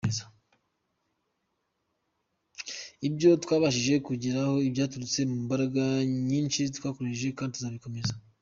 Ibyo twabashije kugeraho byaturutse mu mbaraga nyinshi twakoresheje kandi tuzabikomeza”.